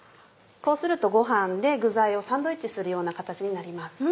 こうするとご飯で具材をサンドイッチするような形になります。